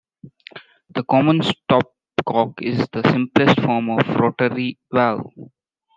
The common stopcock is the simplest form of rotary valve.